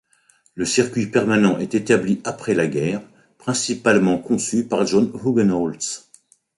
Le circuit permanent est établi après la guerre, principalement conçu par John Hugenholtz.